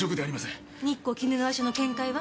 日光鬼怒川署の見解は？